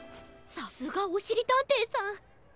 さすがおしりたんていさん。